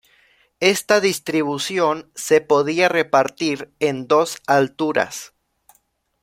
Esta distribución se podía repartir en dos alturas.